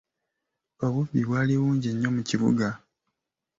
Obubbi bwali bungi nnyo mu kibuga.